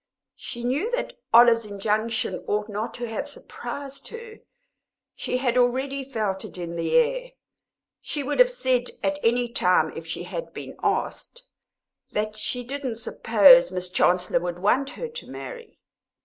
She knew that Olive's injunction ought not to have surprised her; she had already felt it in the air; she would have said at any time, if she had been asked, that she didn't suppose Miss Chancellor would want her to marry.